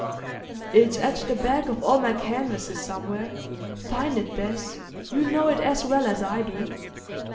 "It's at the back of all my canvases somewhere. Find it, Bess; you know it as well as I do."